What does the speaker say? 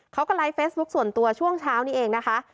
เขาก็ไลฟ์เฟซบุ๊คส่วนตัวช่วงเช้านี้เองนะคะ